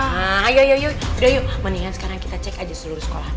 nah ayo ayo yuk udah yuk mendingan sekarang kita cek aja seluruh sekolahan